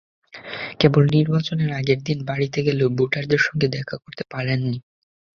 কেবল নির্বাচনের আগের দিন বাড়িতে গেলেও ভোটারদের সঙ্গে দেখা করতে পারেননি।